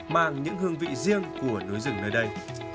mang những hương vị riêng của núi rừng nơi đây